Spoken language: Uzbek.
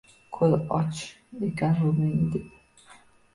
Koʻzi och ekanmi buning dedi.